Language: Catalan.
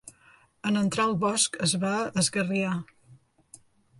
En entrar al bosc es va esgarriar.